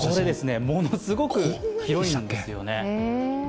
ものすごく広いんですよね。